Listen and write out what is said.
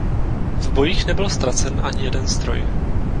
V bojích nebyl ztracen ani jeden stroj.